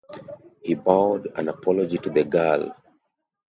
He bowed an apology to the girl.